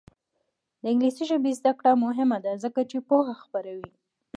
د انګلیسي ژبې زده کړه مهمه ده ځکه چې پوهه خپروي.